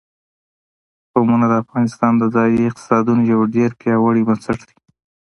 قومونه د افغانستان د ځایي اقتصادونو یو ډېر پیاوړی بنسټ دی.